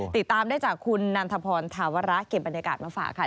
ติดตามได้จากคุณนันทพรธาวระเก็บบรรยากาศมาฝากค่ะ